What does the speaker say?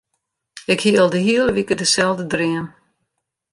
Ik hie al de hiele wike deselde dream.